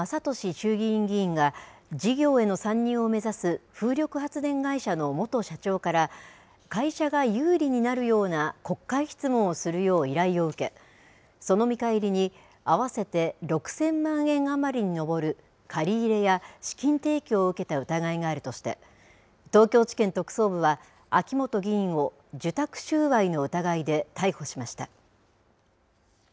衆議院議員が事業への参入を目指す風力発電会社の元社長から会社が有利になるような国会質問をするよう依頼を受けその見返りに合わせて６０００万円余りに上る借り入れや資金提供を受けた疑いがあるとして東京地検特捜部は秋本議員を受託収賄の疑いで逮捕しました。